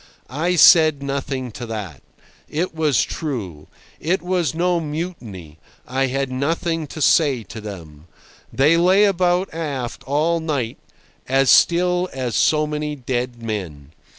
I said nothing to that. It was true. It was no mutiny. I had nothing to say to them. They lay about aft all night, as still as so many dead men.